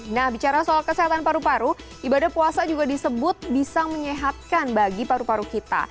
nah bicara soal kesehatan paru paru ibadah puasa juga disebut bisa menyehatkan bagi paru paru kita